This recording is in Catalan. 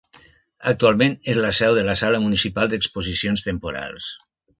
Actualment és la seu de la Sala Municipal d'Exposicions Temporals.